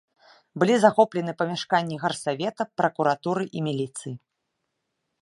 Былі захоплены памяшканні гарсавета, пракуратуры і міліцыі.